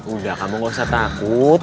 udah kamu gak usah takut